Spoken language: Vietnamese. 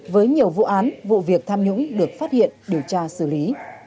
với nhiều vụ án vụ việc tham nhũng được phát hiện điều tra xử lý